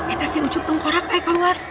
eh taksi ucup tongkorak eh keluar